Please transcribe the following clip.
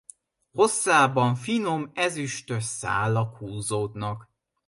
Hosszában finom ezüstös szálak húzódnak.